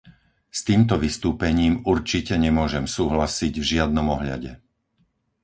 S týmto vystúpením určite nemôžem súhlasiť v žiadnom ohľade.